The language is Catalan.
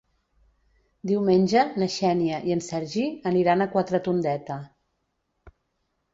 Diumenge na Xènia i en Sergi aniran a Quatretondeta.